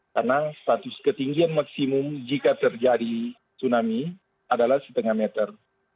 karena status ketinggian maksimum jika terjadi tsunami adalah setengah meter